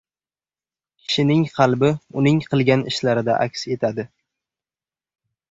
Kishining qalbi uning qilgan ishlarida aks etadi.